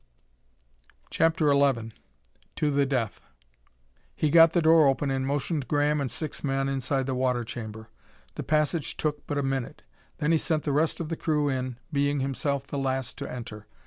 CHAPTER XI To the Death The emergency steadied Keith's fingers. He got the door open and motioned Graham and six men inside the water chamber. The passage took but a minute. Then he sent the rest of the crew in, being himself the last to enter.